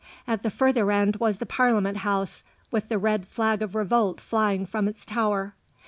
At the further end was the Parliament House, with the red flag of revolt flying from its tower.